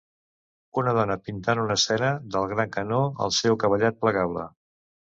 Una dona pintant una escena del Gran Canó al seu cavallet plegable.